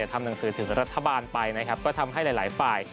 ทำหนังสือถึงรัฐบาลไปนะครับก็ทำให้หลายฝ่าย